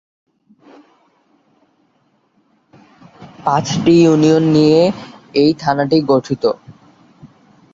পাঁচটি ইউনিয়ন নিয়ে এই থানাটি গঠিত।